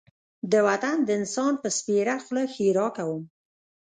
د وطن د انسان په سپېره خوله ښېرا کوم.